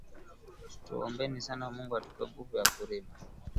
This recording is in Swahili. Tuombeni sana mungu atupe nguvu ya kurima